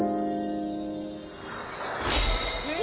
え